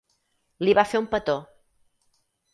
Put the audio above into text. Li va fer un petó.